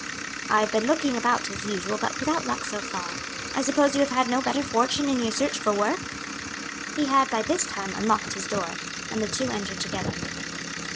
"I have been looking about as usual, but without luck so far. I suppose you have had no better fortune in your search for work?" He had by this time unlocked his door, and the two entered together.